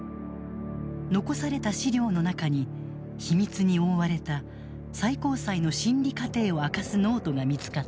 残された資料の中に秘密に覆われた最高裁の審理過程を明かすノートが見つかった。